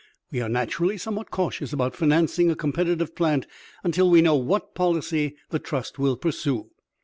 We are naturally somewhat cautious about financing a competitive plant until we know what policy the trust will pursue."